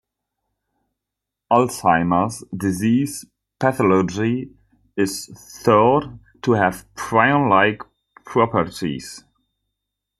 Alzheimer's disease pathology is thought to have prion-like properties.